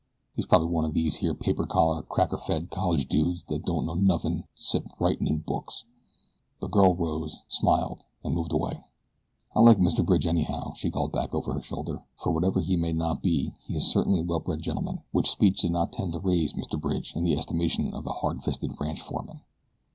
He's probably one of these here paper collar, cracker fed college dudes thet don't know nothin' else 'cept writin' in books." The girl rose, smiled, and moved away. "I like Mr. Bridge, anyhow," she called back over her shoulder, "for whatever he may not be he is certainly a well bred gentleman," which speech did not tend to raise Mr. Bridge in the estimation of the hard fisted ranch foreman.